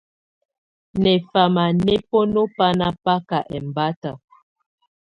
Nɛfama nɛ̀ bǝnu bana baka ɛmbata.